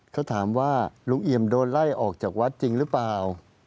เขาถามว่าลุงเอี่ยมโดนไล่ออกจากวัดจริงหรือเปล่า